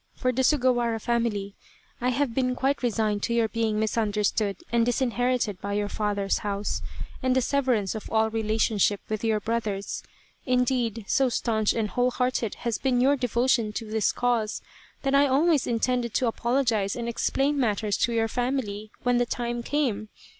For the Sugawara family I have been quite resigned to your being misunderstood and disinherited by your father's house, and the severance of all relationship with your brothers indeed, so staunch and whole hearted has been your devotion to this cause that I always in tended to apologize and explain matters to your family when the time came.